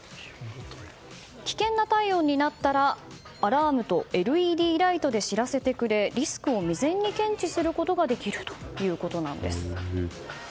危険な体温になったらアラームとＬＥＤライトで知らせてくれ、リスクを未然に検知することができるということなんです。